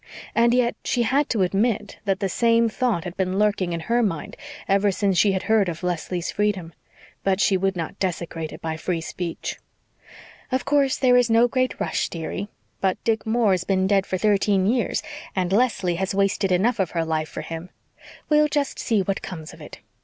And yet, she had to admit that the same thought had been lurking in her mind ever since she had heard of Leslie's freedom. But she would not desecrate it by free speech. "Of course there is no great rush, dearie. But Dick Moore's been dead for thirteen years and Leslie has wasted enough of her life for him. We'll just see what comes of it.